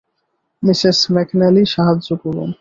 Mrs McNally সাহায্য করুন।